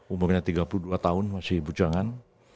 umurnya tiga puluh dua tahun masih bujangan